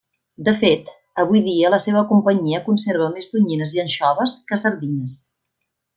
De fet, avui dia la seva companyia conserva més tonyines i anxoves que sardines.